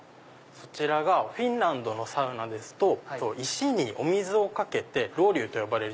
そちらがフィンランドのサウナですと石にお水をかけてロウリュウと呼ばれる。